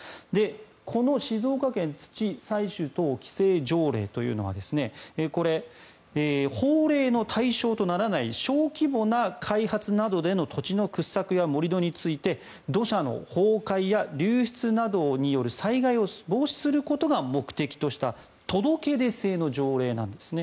この静岡県土採取等規制条例というのは法令の対象とならない小規模な開発などでの土地の掘削や盛り土について土砂の崩壊や流出などによる災害を防止することが目的とした届け出制の条例なんですね。